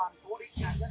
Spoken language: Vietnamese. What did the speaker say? rồi từ từ rồi